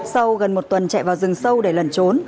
sau gần một tuần chạy vào rừng sâu để lẩn trốn